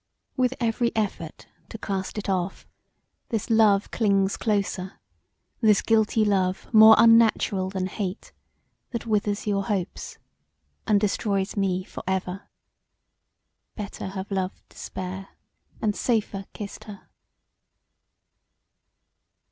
With every effort to cast it off, this love clings closer, this guilty love more unnatural than hate, that withers your hopes and destroys me for ever. Better have loved despair, & safer kissed her.